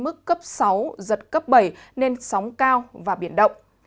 ước cấp sáu giật cấp bảy nên sóng cao và biển động